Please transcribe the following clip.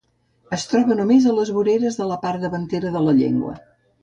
Es troba només a les vores de la part davantera de la llengua.